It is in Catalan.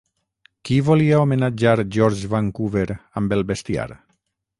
Qui volia homenatjar George Vancouver amb el bestiar?